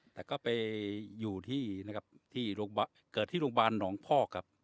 แต่ก็ไปอยู่ที่นะครับที่เกิดที่โรงพยาบาลหนองพอกครับ